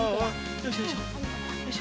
よいしょよいしょ。